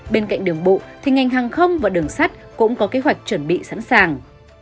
bên cạnh đường bộ thì ngành hàng không và đường sắt cũng có kế hoạch chuẩn bị sẵn sàng